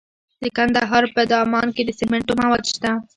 د کندهار په دامان کې د سمنټو مواد شته.